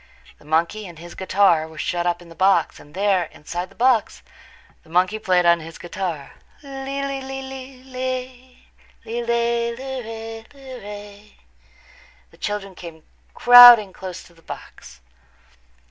The monkey and his guitar were shut up in the box, and there, inside the box, the monkey played on his guitar. "Lee, lee, lee, lee, lee lay, lee lay, lee ray, lee ray." The children came crowding close to the box.